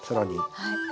はい。